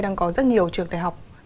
đang có rất nhiều trường đại học mới